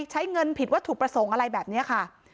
ใช้เงินผิดวัตถุประสงค์อะไรแบบนี้ค่ะ